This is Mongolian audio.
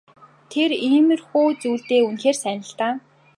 Тэр иймэрхүү зүйлдээ үнэхээр сайн л даа.